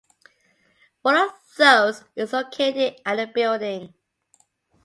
One of those is located at the building.